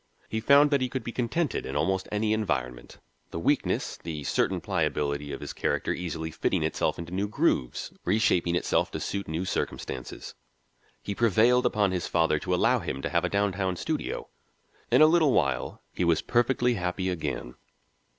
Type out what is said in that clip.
He found that he could be contented in almost any environment, the weakness, the certain pliability of his character easily fitting itself into new grooves, reshaping itself to suit new circumstances. He prevailed upon his father to allow him to have a downtown studio. In a little while he was perfectly happy again.